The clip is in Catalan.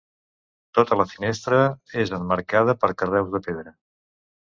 Tota la finestra és emmarcada per carreus de pedra.